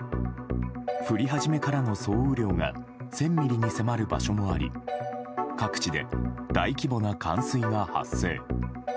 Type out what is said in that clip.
降り始めからの総雨量が１０００ミリに迫る場所もあり各地で大規模な冠水が発生。